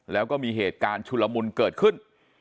แล้วก็มีเหตุการณ์ชุลมุนเกิดขึ้น